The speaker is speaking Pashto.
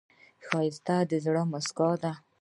ښایست د زړه موسکا ده